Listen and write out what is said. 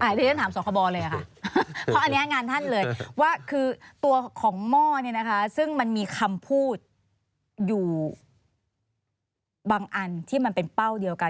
อันนี้ฉันถามสคบเลยค่ะเพราะอันนี้งานท่านเลยว่าคือตัวของหม้อเนี่ยนะคะซึ่งมันมีคำพูดอยู่บางอันที่มันเป็นเป้าเดียวกัน